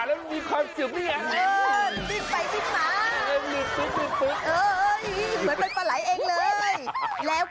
ดูสิมีความสุขใครจะชอบลงอ่าง